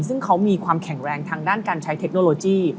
ซึ่งเขามีความแข็งแรงทางด้านการใช้เทคโนโลยี